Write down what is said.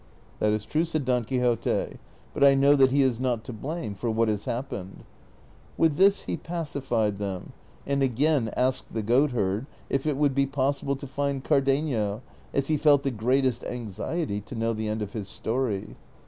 " That is true," said Don Quixote, " but I know that he is not to blame for what has happened." With this he pacified them, and again asked the goatherd if it would be possible to find Cardenio, as he felt the greatest anxiety to know the end of his story.